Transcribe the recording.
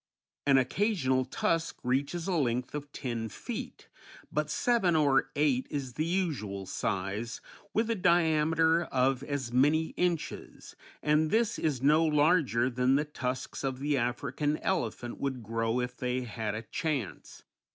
An occasional tusk reaches a length of ten feet, but seven or eight is the usual size, with a diameter of as many inches, and this is no larger than the tusks of the African elephant would grow if they had a chance.